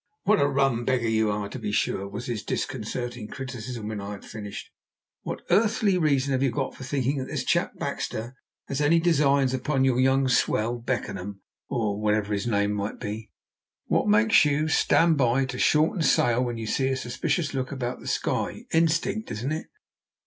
"What a rum beggar you are, to be sure!" was his disconcerting criticism when I had finished. "What earthly reason have you for thinking that this chap, Baxter, has any designs upon your young swell, Beckenham, or whatever his name may be?" "What makes you stand by to shorten sail, when you see a suspicious look about the sky? Instinct, isn't it?"